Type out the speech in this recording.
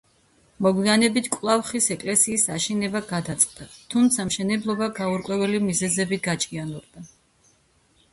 მოგვიანებით კვლავ ხის ეკლესიის აშენება გადაწყდა, თუმცა მშენებლობა გაურკვეველი მიზეზებით გაჭიანურდა.